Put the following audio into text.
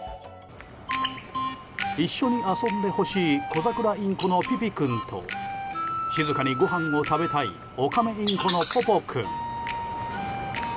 一緒に遊んでほしいコザクラインコのピピ君と静かにごはんを食べたいオカメインコのポポ君。